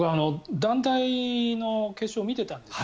団体の決勝見てたんです。